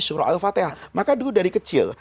surah al fatihah maka dulu dari kecil